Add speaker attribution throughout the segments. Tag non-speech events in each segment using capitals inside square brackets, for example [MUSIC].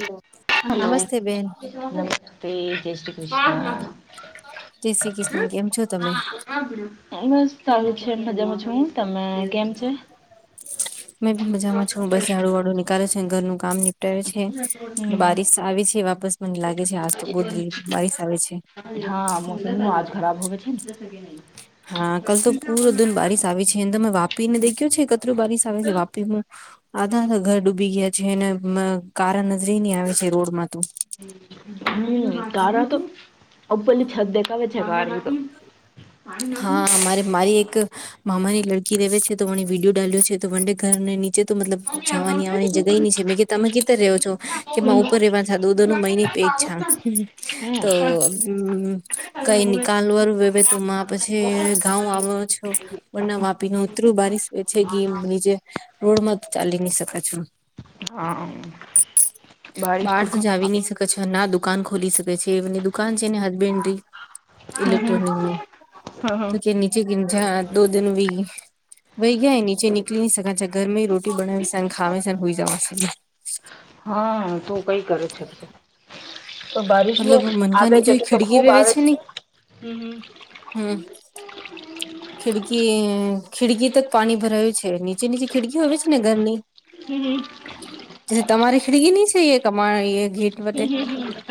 Speaker 1: હમ
Speaker 2: hello નમસ્તે જય શ્રી કૃષ્ણ
Speaker 1: જય શ્રી કૃષ્ણ કેમ છો તમે
Speaker 2: હા બસ ચાલુ છે મજામાં છું હું તમે કેમ છે
Speaker 1: મેં બી
Speaker 2: હમ
Speaker 1: મજામાં છું બસ ઝાડુ વાડું નીકાળલે છે ઘરનું કામ કેર છે ને બારીશ આવે છે વાપસ મને લાગે છે આ તો [UNINTELLIGIBLE] બારીશ આવે છે
Speaker 2: હા મોસમ તો આજ ખરાબ હોવે છે
Speaker 1: [INAUDIBLE] [INAUDIBLE] ઘર ડૂબી ગયા છે [INAUDIBLE]
Speaker 2: [INAUDIBLE]
Speaker 1: [INAUDIBLE] મારી એક
Speaker 2: હમ. હા
Speaker 1: [INAUDIBLE] [INAUDIBLE] [INAUDIBLE] [INAUDIBLE] [INAUDIBLE]
Speaker 2: બારિશ
Speaker 1: બહાર તો
Speaker 2: ઘણું
Speaker 1: જાવી
Speaker 2: આવે.
Speaker 1: [INAUDIBLE] ના દુકાન ખોલી શકે છે એમની દુકાન છે [INAUDIBLE] ઇલેક્ટ્રોનિક ની
Speaker 2: હા હા.
Speaker 1: તો કેની [INAUDIBLE] [UNINTELLIGIBLE] [INAUDIBLE]
Speaker 2: હા તું કઈ કરે છે જોબ? તો બારીશ નું
Speaker 1: મતલબ
Speaker 2: આવે
Speaker 1: મનકાની
Speaker 2: છે
Speaker 1: જો
Speaker 2: એટલે તો
Speaker 1: ખિડકી
Speaker 2: ખુબ
Speaker 1: વેવે
Speaker 2: આવે છે
Speaker 1: ને
Speaker 2: હમ
Speaker 1: હમ
Speaker 2: [UNINTELLIGIBLE]
Speaker 1: [INAUDIBLE]
Speaker 2: હમ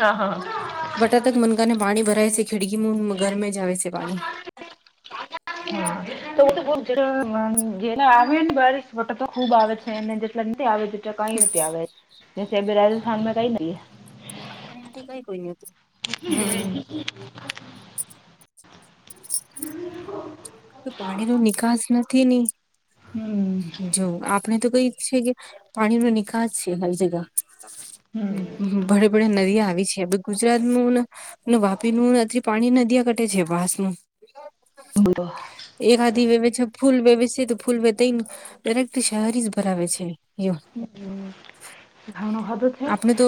Speaker 2: હા હા.
Speaker 1: [INAUDIBLE]
Speaker 2: [INAUDIBLE] ખુબ આવે છે એને [INAUDIBLE]
Speaker 1: [INAUDIBLE]
Speaker 2: [UNINTELLIGIBLE]
Speaker 1: પાણી નો નિકાસ નથી ની
Speaker 2: હમ્મ
Speaker 1: જો [INAUDIBLE] ભડે
Speaker 2: હમ્મ.
Speaker 1: ભડે નદીઆ આવી છે ગુજરાતમાં [UNINTELLIGIBLE] પાણી નદીયા કટે છે વાસ નું
Speaker 2: [UNINTELLIGIBLE]
Speaker 1: એક આધી વેવે છે ફૂલ વેવે છે તો ફૂલ વેતા દરેક શહેરી જ ભરાવે છે. [UNINTELLIGIBLE]
Speaker 2: ઘણું બધું છે
Speaker 1: આપણે તો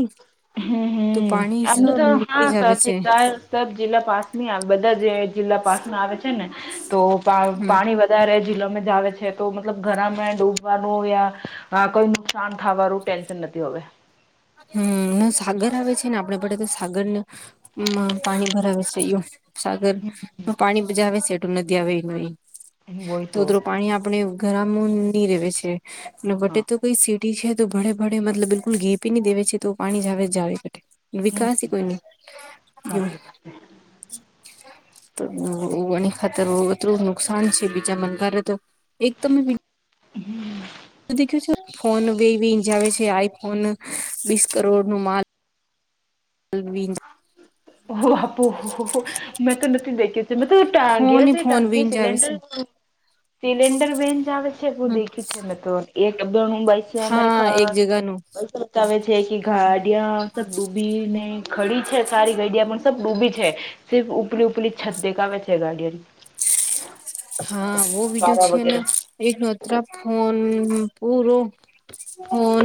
Speaker 1: [INAUDIBLE]
Speaker 2: [INAUDIBLE]
Speaker 1: તો પાણી
Speaker 2: [UNINTELLIGIBLE]
Speaker 1: સબ નીકળી જ
Speaker 2: [UNINTELLIGIBLE]
Speaker 1: આવે છે
Speaker 2: [INAUDIBLE] [UNINTELLIGIBLE] જિલ્લામાં જ આવે છે
Speaker 1: હમ
Speaker 2: [INAUDIBLE] હા કોઈ નુકસાન થવાનું ટેન્શન નથી હવે
Speaker 1: હમ સાગર આવે છે ને આપડે પડે તો સાગર ને પાણી ભરાવે છે એમ સાગર
Speaker 2: હોય તો હા
Speaker 1: [INAUDIBLE] [UNINTELLIGIBLE] [INAUDIBLE]
Speaker 2: હમ સાચી વાત છે
Speaker 1: [INAUDIBLE] [UNINTELLIGIBLE] [INAUDIBLE]
Speaker 2: [UNINTELLIGIBLE]
Speaker 1: દેખ છે ફોન બેવીજ આવે છે આઈફોન, બીસ કરોડ નું માલ. વીન
Speaker 2: ઓહ બાપો મેં તો નથી દેખી જેમ તો
Speaker 1: ફોન
Speaker 2: ટાગયાસ
Speaker 1: ફોન વીન
Speaker 2: ટાંકી
Speaker 1: આવે છે
Speaker 2: સિલિન્ડર સિલેન્ડર બેન જ આવે છે બુંદેખી છે મેં તો એકણ હુંસ અમારે
Speaker 1: જગાનું.
Speaker 2: બતાવે છે કે ગાડિયાત ડૂબી ને ખડી છે સારી ગાડીયા પણ સબ ડૂબી છે, સિફ ઉપડી ઉપડી છત દેખાવે છે ગાડીઓની.
Speaker 1: હા બ વિડીયો છે ને એક નોત્ર ફોન પૂરો.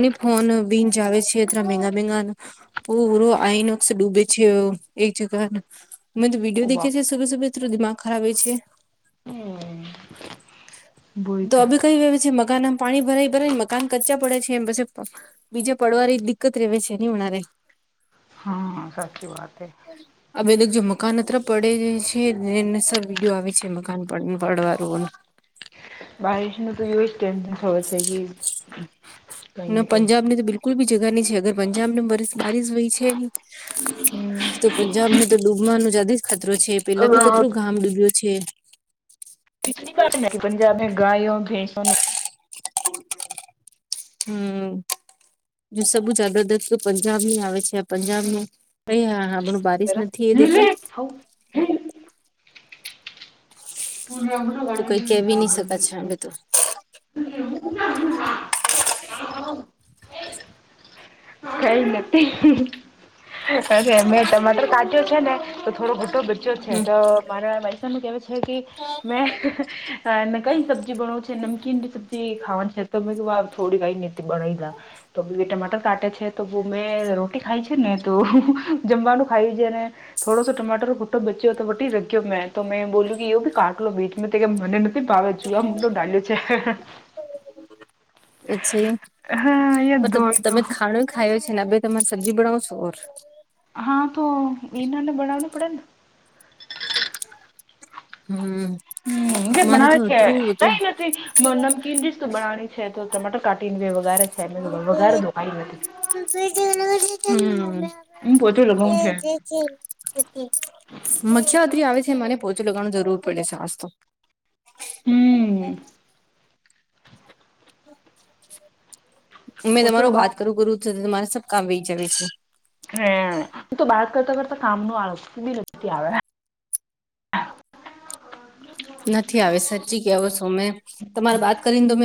Speaker 1: ફ ફોન બીન જ આવે છે એ મંગા મંગા. પૂરો આઈનો ઓક્સ ડૂબે છેયો એક જગ. અમે તો
Speaker 2: ઓ
Speaker 1: વિડીયો દખી
Speaker 2: બાપ
Speaker 1: છીએ સુબ સુબ દિમાગ ખરાબ હોય છે.
Speaker 2: હમ
Speaker 1: તો અ કઈ વ્યવ છે મકાન પાણી ભરાય ભરાને મકાન કચા પડે છે એમ પછી બીજા પડવાર દિક્કત ર રહેવે છે નહી મારે.
Speaker 2: હમ સાચી વાત હૈ.
Speaker 1: આ બધક જે મકાન અત્ર પડે છે એને સબ વિડીયો આવે છે મકાન પડવાર.
Speaker 2: બાહ શ તું સ ટશન થ છે કે. કઈ ને
Speaker 1: ના
Speaker 2: કઈ
Speaker 1: પંજાબની તો બિલકુલ બી જગા નહી છે અગર પંજાબ નેર બારિશ વય છે,
Speaker 2: હમ
Speaker 1: તો પંજાબ ને તો ડૂબવા ન જદજ ખતરો છે. પેલા ભી કતરું ગામ ડૂબ્યો છે.
Speaker 2: પિછલી બાત પંજાબની ગાયો ભેસો.
Speaker 1: [INAUDIBLE] હમ, જો સબુ જ અડદગ પંજાબ ની આવે છે આ પંજાબનું અ હા હા આપણું બારીશ નથી એ દક
Speaker 2: હમ [UNINTELLIGIBLE]
Speaker 1: તો કઈ કેવી નહી શક છે આપડે તો.
Speaker 2: કઈ
Speaker 1: [INAUDIBLE]
Speaker 2: કઈ નથી. અરે મેં ટમાટર કાચ્યો છે ને, તો થોડો બટો બો છે
Speaker 1: હમ
Speaker 2: તો મારા મારી સાને કેવા છે કે મેંને કઈ સબ્જી બણ છે નમકીન જે સબ્જી ખાવાની છે તો થોડી કંઈ બનાઇએ, તો બી ટમાટર કાટે છે. તો મેં રોટી ખાય છે ને તો જમવાનું ખાયું છે અને થોડો સો ટમાટરો ભુટો બચ્યો હતો તો વટી રગ્યો મેં તો મેં બોલ્યું કે એું કાટલો લો બીચ મે તો કે મને બાબ જુવા મૂલો ડા્યો છે.
Speaker 1: અચ્છા
Speaker 2: હા દો
Speaker 1: મતલબ
Speaker 2: હોય તો.
Speaker 1: તમે [UNINTELLIGIBLE]
Speaker 2: હા તો વનાને બનાવું પડે ને?
Speaker 1: હમ્મ.
Speaker 2: હમ જે બનાવે છે કઈ નથી, નમકીન રઈશ તું બના છે તો ટમાટર કાઢ ને વગારે છે વગારે દોવા
Speaker 1: [UNINTELLIGIBLE]
Speaker 2: હું પોતે લગાવઉ છે.
Speaker 1: મખ્યાત્રી આવે છે મને પોહચું લગવાનું જરૂર પડે છે આસ તો.
Speaker 2: હમ્મ.
Speaker 1: મેં
Speaker 2: પોચું
Speaker 1: તમારૂ
Speaker 2: લગાવ
Speaker 1: વાત કરું ગુરુ તમારે સબ કામ વહી જવે છે.
Speaker 2: હ તો બાત કરતા કરતા કામ ન આ સુધી થી આવે.
Speaker 1: નથી આવે સાચી કેવો છો મે તમારે બાત કરીને દોં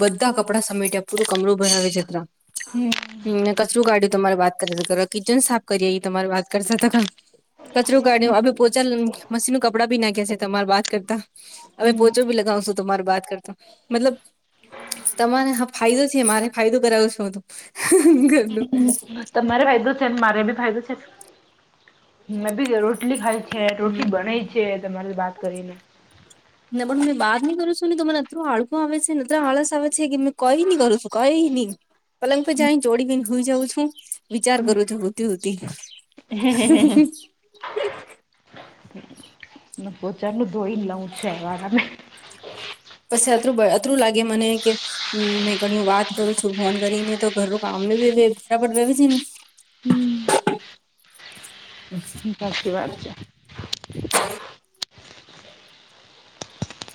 Speaker 1: બધા કપડા સમેટ્યા પૂરું કમરું ભરાવે જત્રા
Speaker 2: હમ
Speaker 1: મેં કચરું કાઢ્યું તમારે વાત કર કિચન સાફ કરીએ એ તમારે વાત કરતા [UNINTELLIGIBLE] કચરુ કાઢ્યો આપડુ પોચા મશીનનું કપડા ભી નાખ્યા છે તમારા વાત કરતા હવે પોચો ભી લગાવશું તમાર બાત કરતા મતલબ તમાને હા ફાયદો છે મારે ફાયદો કરાવો શું તું ઘરનું
Speaker 2: હમ તમારે ફાયદો છે ને મારે બી ફાયદો છે. મેં ભી રોટલી ખાય છે
Speaker 1: હમ
Speaker 2: રોટલી બનાઈ છે તમારે વાત કરીને.
Speaker 1: [INAUDIBLE] ને પણ હું બાત ની કર છું ને તો મને આડખું આવે છે નેત્ર આળસ આવે છે કે મે કઈ ની કરું છું. કઈ ની પલંગ પે જાય ચૌડી બી હુંઈ જઉં છું વિચાર કરું છું હુતી હુતી.
Speaker 2: [UNINTELLIGIBLE] ન પોચારનું ધોઈ લઉં ચાઇ વાલાને
Speaker 1: પછી અતરું અતરું લાગે મને કે હ મે ઘણી વાત કરું છું ફોન કરીને તો ઘરનું કામ બરાબર વે છે ને.
Speaker 2: હમ
Speaker 1: [INAUDIBLE]
Speaker 2: હ સાચી વાત છે.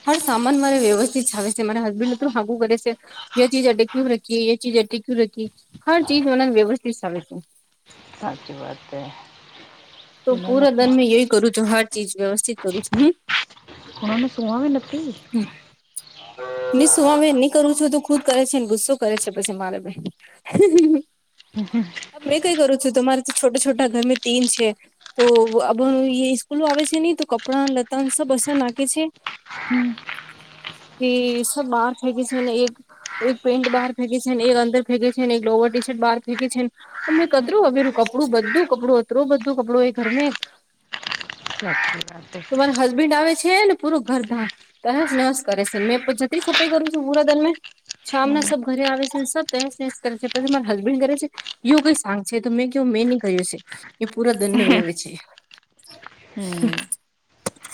Speaker 1: હર સામાન મારે વ્યવસ્થિત છાવે છે મારે હસબેન્ડ ને હાકુ કરે છે. એ ચીજ અડે ક્યું રખીએ એ ચીજ અડે ક્યુ રખી હર ચીજ એને વ્યવસ્થિત સમે છે.
Speaker 2: સાચી વાત એ
Speaker 1: તો પૂરા દન મે યહી કરું છું હર ચીજ વ્યવસ્થિત કરું છુ હું
Speaker 2: હને સુંવાવી નતી.
Speaker 1: હમ ની સુવાવે ની કરું છું તો ખુદ કહે છે ગુસ્સો કરે છે પછી મારેપે [UNINTELLIGIBLE]
Speaker 2: [UNINTELLIGIBLE]
Speaker 1: મેં કઈ કરું છું તમારે તો છોટા છોટા ઘર મેં તીન છે. તો અભ સ્કૂલો આવે છે નહી તો કપડાં લતણ સબ હશ નાખે છે. કે સબ બાર ફેકે છે ને એક એક પેન્ટ બાર ફેંકે છે એક અંદર ફેંકે છે એક લોવર ટી શર્ટ બાર ફેંકે છે. અમને કતરું હવેેરું કપડું બધું કપડું અતરું બધું કપડું એ ઘરમે
Speaker 2: સાચી વાત હે
Speaker 1: તો મારા હસબેન્ડ આવે છે ને પૂરો ઘર ધામ તસ નસ કરે છે મેં જતી સફાઈ કરું છું પુરા દન મેં. શામના સબ ઘરે આવે છે સબ કહે છે પછી મારા હસબેન્ડ ઘરે છે યુ કઈ સાંગ છે તો મેં કેવું મેં ની કહ્યું છે એ પૂરા દિનમેં વેવે છે
Speaker 2: હમ્મ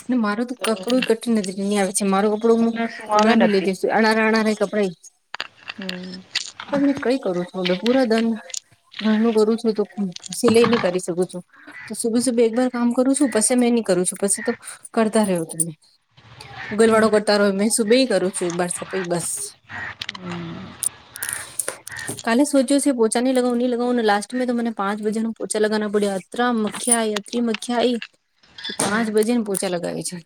Speaker 1: ને મારો તો કપડું કટ નજરે ની આવે છે મારો પડું
Speaker 2: તો સુવાવે
Speaker 1: કમરામાં લઈ
Speaker 2: નથી
Speaker 1: જશે અના અના કપડે
Speaker 2: હમ
Speaker 1: પણ મેં કઈ કરું છું પૂરા દન નાનું કરું છું તો સિલાઈ ની કરી શકું છું તો સુબે સુબે એક બાર કામ કરું છું પછી મેં ની કરું છું પછી તો કરતા રહો તમે ગર વાળો કરતા રહો મે સુબે કરું છું એકર સફાઈ બસ [INAUDIBLE] કાલે સોચ્યો પોંચા ની લાગાવ નહી લગાઓને લાસ્ટ મે તો મને પાંચ બજે ને પોંચા લગા પડ્યા અતરા ખ્યા અતિમખ્યા આઈ પાંચ
Speaker 2: હમ્મ
Speaker 1: બજે ને પોચા લગાવે છે.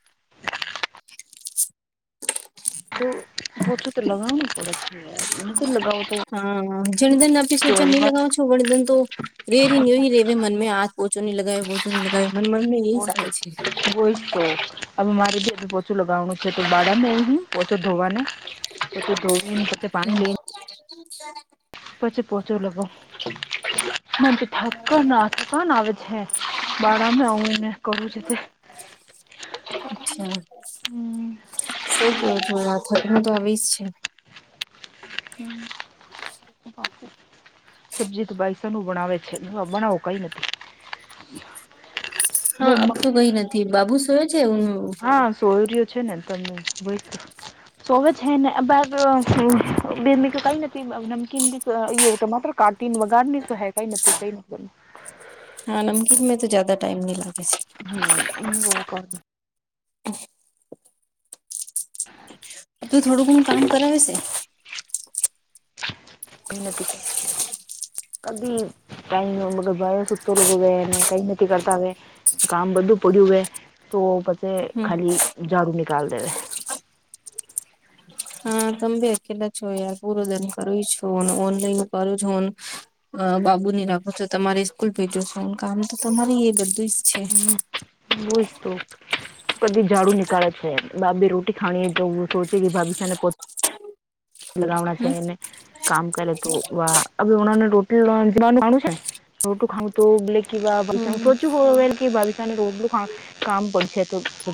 Speaker 2: પોતે તો લગાણુ ને પડા લગાઓ તો
Speaker 1: હા જણીધન આપે સોચન નહી લગાવો છો વણીધન તો રે ર નેય રેવે મનમે હાથ ઓચો નહી લગાવ્યો પોચો નહીં લગાવ્યો મને મનને એ સાવે છે.
Speaker 2: બઈ તો હવે મારે જે ઓછું લગાવનું છે તો બાડાને ઓછો ધોવાના પછો ધો કચ પાણી લઈ
Speaker 1: [UNINTELLIGIBLE]
Speaker 2: પછી પોહોચો લગાઉ મચ ઠાક્કર નાથ કોણ આવે છે બારમાં આવુંને કહું છે.
Speaker 1: અચ્છા
Speaker 2: હમ્મ
Speaker 1: સઈ કેવું છે યા થક નુ તો આવી જ છે.
Speaker 2: હમમ [UNINTELLIGIBLE] સબ્જી તો બાઈ સાન બનાવે છે બનાવો કઈ નથી
Speaker 1: હા આબ તો કઈ નથી બાબુ સોયો છે હ
Speaker 2: હા સોયરઓ છે ને તન વૈતું સોવે છે ને અબાતો [UNINTELLIGIBLE] નમકીન યો તો માત્ર કાટીન વગાડની તો કઈ નથી કઈ
Speaker 1: હા નમકીન મે તો જદા ટાઈમ ની લગે છે.
Speaker 2: [UNINTELLIGIBLE] [UNINTELLIGIBLE]
Speaker 1: તો થોડું ઘણું કામ કરાવે છે.
Speaker 2: કઈ નથી કરે અભી ટાઈમ બડો સુતતો લોકો ગને કઈ નથી કરતા વે કામ બધું પડ્યું હોય તો પછી
Speaker 1: હમ
Speaker 2: ખાલી ઝાડું નિકાલ દેવે
Speaker 1: હા તમે અકેલા છો યાર પૂરો દીન કર છુ ને ઓનલાઈન કરું છુ હોને અ બાબુ ની રાખો છો તમારે સ્કૂલ ભેજો છો કામ તો તમારી એ બધું જ છે.
Speaker 2: વોઈતો કદી જાડુ નીકાળે છે બાભી રોટી ખાણી તો સોચે કે ભાભી સાને પો લગાવણા છે
Speaker 1: હમ
Speaker 2: એને કામ કરે તો વા ટોટલ જનું માણું છે રોટું ખાઉતો બલે [UNINTELLIGIBLE]
Speaker 1: હમ
Speaker 2: કામ કરશે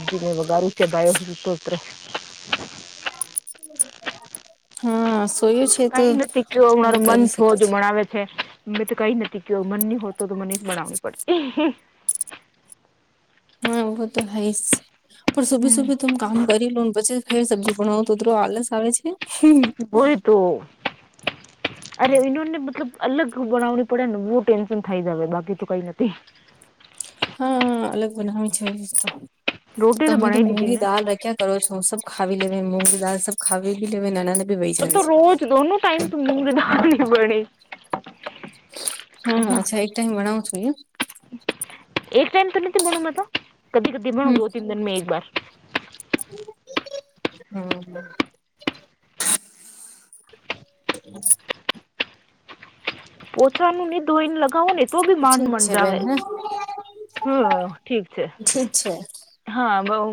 Speaker 2: સબજી ને વગારું છે ગાયો તો
Speaker 1: હા સોયું છે તો
Speaker 2: કઈ નથી ક્યો મારો મન
Speaker 1: કરી
Speaker 2: હોવ
Speaker 1: શકે
Speaker 2: જ મણાવે છે. મે તો કઈ નથી કયો નની હોતો તો મને જ બણાવવી પડે
Speaker 1: હા એવગું તો હાય જ છે પણ સુભી સુભી હું કામ કરી લો ને પછી ફેર સબ્જી ભણાવું તો આલસ આવે છે.
Speaker 2: બય તો અરે એને મતલબ અલગ બનાવણી પડે ને બહુ ટેન્શન થઈ જ બાકી તો કઈ નથી
Speaker 1: હા અલગ બનાવી છે તો
Speaker 2: રોટી
Speaker 1: તમે તો
Speaker 2: બનાવી દીધી
Speaker 1: મુલી
Speaker 2: મેં
Speaker 1: દાળ રખ્યા કરો છો હું સબ ખાવી લેવે મૂઘ દાલ સબ ખાવી બી લે નાના ના બી વહી
Speaker 2: તો
Speaker 1: જાય
Speaker 2: તો
Speaker 1: છે.
Speaker 2: રોજ દોનો ટાઈમ મુું નાલી ભણી
Speaker 1: હા અચ્છા એક ટા હ ભણાવું છું એ
Speaker 2: એક ટાઈમ તો નથી મા કદીી કદી
Speaker 1: હમ
Speaker 2: ગો તન જણ મેં એક બર
Speaker 1: [UNINTELLIGIBLE] [UNINTELLIGIBLE]
Speaker 2: પોહચવાનું ન ને ધોઈને લગાવો ને તો બી માન
Speaker 1: ઠીક છે
Speaker 2: મનજાવ
Speaker 1: બેન હા
Speaker 2: હમ ઠીક છે
Speaker 1: ઠીક છે
Speaker 2: હા બઉ